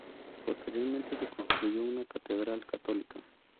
Posteriormente se construyó una catedral católica.